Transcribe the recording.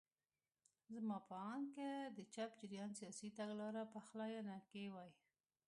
زما په اند که د چپ جریان سیاسي تګلاره پخلاینه کې وای.